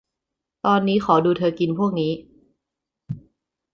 ตอนนี้ขอดูเธอกินพวกนี้